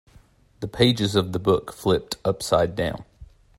The pages of the book flipped upside down.